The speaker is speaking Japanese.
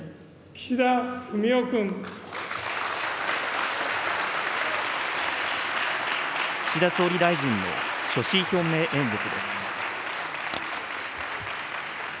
岸田総理大臣の所信表明演説です。